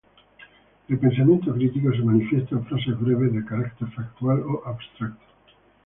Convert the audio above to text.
El pensamiento crítico se manifiesta en frases breves, de carácter factual o abstracto.